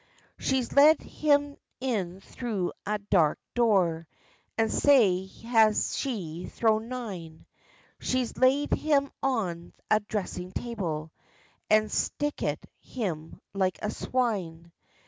She's led him in through ae dark door, And sae has she thro nine; She's laid him on a dressing table, And stickit him like a swine.